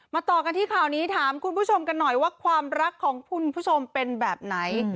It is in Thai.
ต่อกันที่ข่าวนี้ถามคุณผู้ชมกันหน่อยว่าความรักของคุณผู้ชมเป็นแบบไหน